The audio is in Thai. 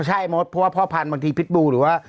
ใช่มดเพราะว่าพ่อพันธุ์บางทีพิษบูหรือว่า